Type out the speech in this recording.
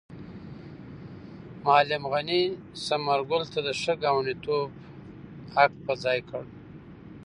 معلم غني ثمر ګل ته د ښه ګاونډیتوب حق په ځای کړ.